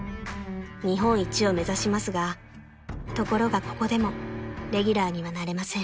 ［日本一を目指しますがところがここでもレギュラーにはなれません］